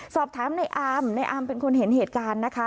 สอบถามในอามในอาร์มเป็นคนเห็นเหตุการณ์นะคะ